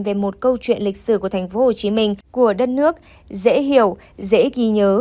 về một câu chuyện lịch sử của tp hcm của đất nước dễ hiểu dễ ghi nhớ